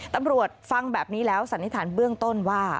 ตำรวจฟังแบบนี้แล้วสันนิษฐานเบื้องต้นว่า